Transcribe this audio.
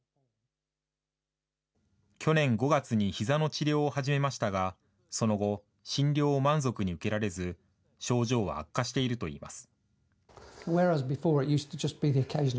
去年５月にひざの治療を始めましたが、その後、診療を満足に受けられず、症状は悪化しているといいます。